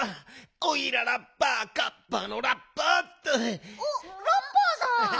「おいらラッパーカッパのラッパー」おっラッパーさん。